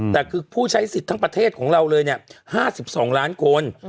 แต่คือผู้ใช้สิทธิ์ทั้งประเทศของเราเลย๕๒ล้านคน